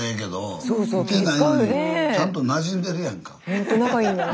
ほんと仲いいんだな。